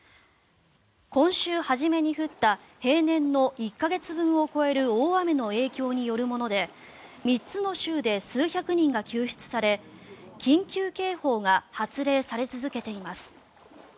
今週初めに降った平年の１か月分を超える大雨の影響によるもので３つの州で数百人が救出され緊急警報が発令され続けています。